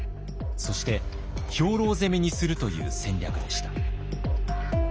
そして兵糧攻めにするという戦略でした。